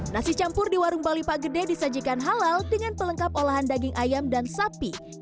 nasi campur di warung bali pak gede disajikan halal dengan pelengkap olahan daging ayam dan sapi